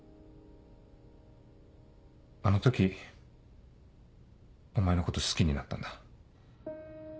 あの時お前のこと好きになったんだ。